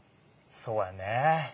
そうやね。